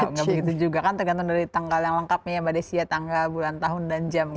nggak begitu juga kan tergantung dari tanggal yang lengkapnya ya mbak desi ya tanggal bulan tahun dan jam gitu